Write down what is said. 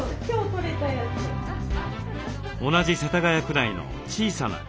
同じ世田谷区内の小さなカフェ。